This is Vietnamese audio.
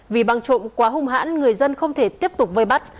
vì băng trộm quá hung hãn người dân không thể tiếp tục vây bắt